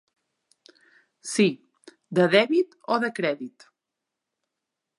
Sí, de dèbit o de crèdit.